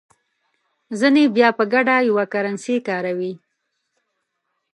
ځینې بیا په ګډه یوه کرنسي کاروي.